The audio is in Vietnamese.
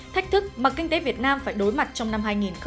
thách thức mà kinh tế việt nam phải đối mặt trong năm hai nghìn một mươi chín